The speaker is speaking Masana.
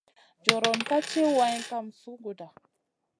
Joriona ka tchi wayn kam sunguda.